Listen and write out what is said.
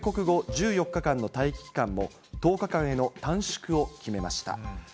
後１４日間の待機期間も、１０日間への短縮を決めました。